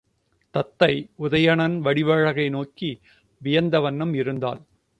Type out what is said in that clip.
தத்தை உதயணன் வடிவழகை நோக்கி வியந்த வண்ணம் இருந்தாள்.